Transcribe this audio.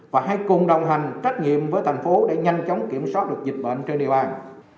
và hãy cùng đồng hành trách nhiệm với thành phố để nhanh chóng kiểm soát được dịch bệnh trên địa bàn